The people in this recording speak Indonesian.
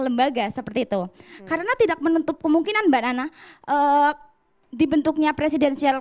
lembaga seperti itu karena tidak menutup kemungkinan mbak nana dibentuknya presidensial